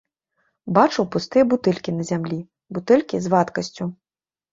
Бачыў пустыя бутэлькі на зямлі, бутэлькі з вадкасцю.